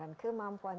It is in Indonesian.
yang memahami anda